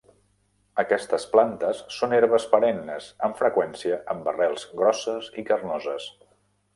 Aquestes plantes són herbes perennes, amb freqüència amb arrels grosses i carnoses.